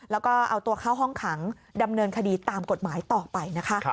แล้วก็เอาตัวเข้าห้องขังดำเนินคดีตามกฎหมายต่อไปนะคะ